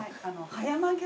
葉山牛